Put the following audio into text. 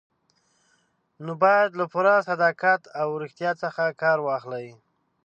نو باید له پوره صداقت او ریښتیا څخه کار واخلئ.